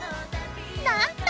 なんと！